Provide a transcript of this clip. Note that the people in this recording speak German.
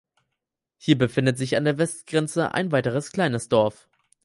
Hier befindet sich an der Westgrenze ein weiteres kleines Dorf.